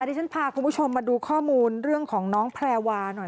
ที่ฉันพาคุณผู้ชมมาดูข้อมูลเรื่องของน้องแพรวาหน่อย